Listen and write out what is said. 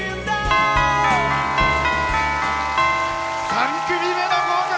３組目の合格！